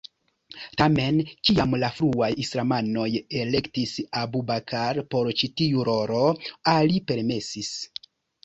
Tamen kiam la fruaj islamanoj elektis Abu Bakr por ĉi tio rolo, Ali permesis.